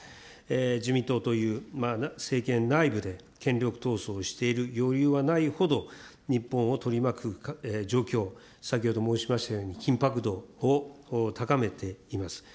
自民党という政権内部で権力闘争をしている余裕はないほど、日本を取り巻く状況、先ほど申しましたように緊迫度を高めています。